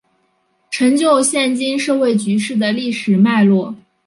成就现今社会局势的历史脉络